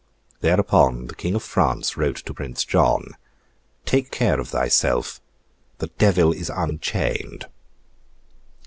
Thereupon, the King of France wrote to Prince John—'Take care of thyself. The devil is unchained!